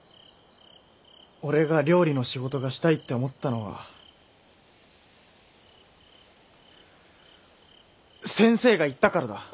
俺が料理の仕事がしたいって思ったのは先生が言ったからだ。